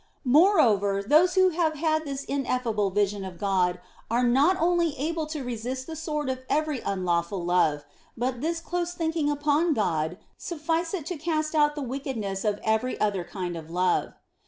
Moreover, those who have had this ineffable vision of God are not only able to resist the sword of every un lawful love, but this close thinking upon God sufficeth to cast out the wickedness of every other kind of love.